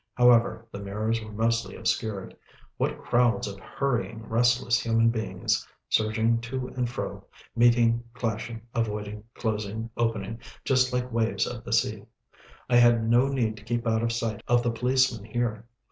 However, the mirrors were mostly obscured what crowds of hurrying, restless human beings surging to and fro, meeting, clashing, avoiding, closing, opening just like waves of the sea. I had no need to keep out of sight of the policemen here.